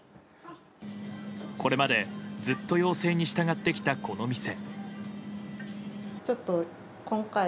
これまでずっと要請に従ってきた、この店。